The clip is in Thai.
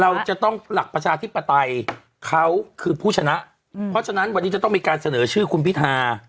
เราจะต้องหลักประชาธิปไตยเขาคือผู้ชนะเพราะฉะนั้นวันนี้จะต้องมีการเสนอชื่อคุณพิธา